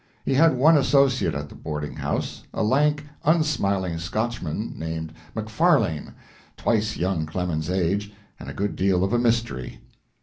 He had one associate at the boarding house, a lank, unsmiling Scotchman named Macfarlane, twice young Clemens's age, and a good deal of a mystery.